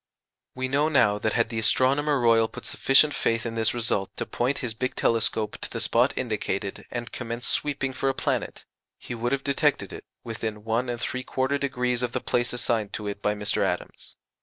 We know now that had the Astronomer Royal put sufficient faith in this result to point his big telescope to the spot indicated and commence sweeping for a planet, he would have detected it within 1 3/4° of the place assigned to it by Mr. Adams.